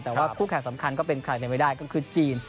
แต่ว่าคู่แข่งสำคัญก็เป็นใครเป็นไม่ได้ก็คือจีน